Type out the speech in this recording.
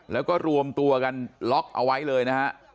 แล้วก็รวมตัวกันล็อกเอาไว้เลยนะฮะ